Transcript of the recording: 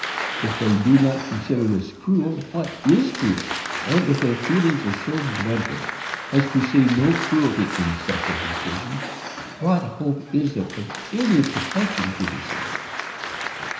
If they do not consider this cruel, what is cruel? And, if their feelings are so blunted as to see no cruelty in such a decision, what hope is there of any protection to the slave?